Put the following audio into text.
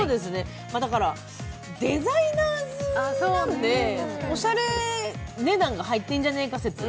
デザイナーズなんで、おしゃれ値段が入ってんじゃねえか説。